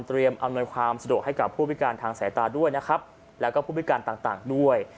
เตรียมอำนวยความสะดวกให้กับผู้พิการทางสายตาและผู้พิการต่างด้วย